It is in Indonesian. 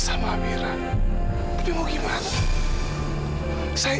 kembali lagi ke rumah prabu wijaya